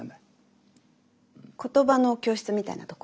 言葉の教室みたいなとこ？